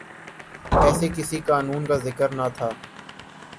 ایسے کسی قانون کا ذکر نہ تھا۔